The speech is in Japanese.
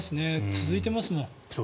続いてますもん。